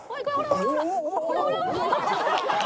ほらほら」